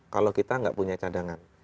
kalau kita nggak punya cadangan